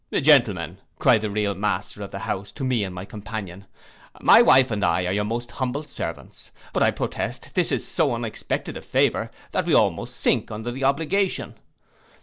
'Gentlemen,' cried the real master of the house, to me and my companion, 'my wife and I are your most humble servants; but I protest this is so unexpected a favour, that we almost sink under the obligation.